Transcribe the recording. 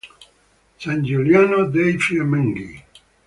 San Giuliano dei Fiamminghi